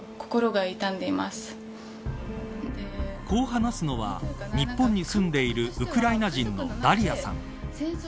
こう話すのは日本に住んでいるウクライナ人のダリアさん。